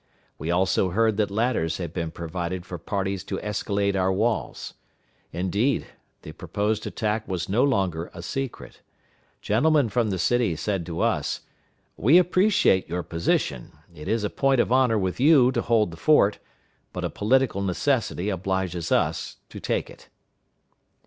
We also heard that ladders had been provided for parties to escalade our walls. Indeed, the proposed attack was no longer a secret. Gentlemen from the city said to us, "We appreciate your position. It is a point of honor with you to hold the fort, but a political necessity obliges us to take it."